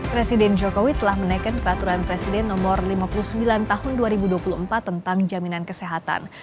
presiden jokowi telah menaikkan peraturan presiden nomor lima puluh sembilan tahun dua ribu dua puluh empat tentang jaminan kesehatan